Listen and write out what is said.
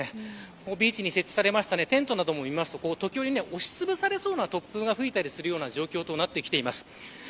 ビーチに設置されたテントなどを見ますと時折、押しつぶされそうな突風が吹く状況となっています。